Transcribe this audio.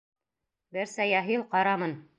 Берсә яһил, ҡарамын.